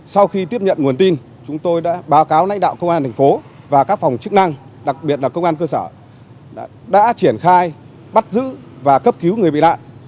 sau khi tiếp nhận nguồn tin chúng tôi đã báo cáo lãnh đạo công an thành phố và các phòng chức năng đặc biệt là công an cơ sở đã triển khai bắt giữ và cấp cứu người bị nạn